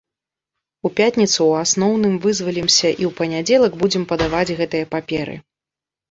У пятніцу ў асноўным вызвалімся і ў панядзелак будзем падаваць гэтыя паперы.